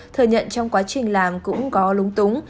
thừa nhận trong quá trình làm cũng có lúng túng